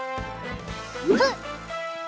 ふっ！